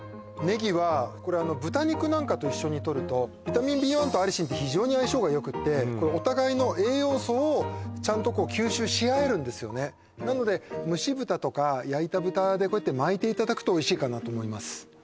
ネギはこれあの豚肉なんかと一緒にとるとビタミンＢ１とアリシンって非常に相性がよくってお互いの栄養素をちゃんと吸収しあえるんですよねなので蒸し豚とか焼いた豚でこうやって巻いていただくとおいしいかなと思います